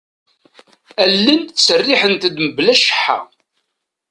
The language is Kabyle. Allen ttseriḥent-d mebla cceḥḥa.